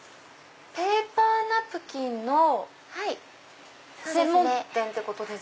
ペーパーナプキンの専門店ってことですか？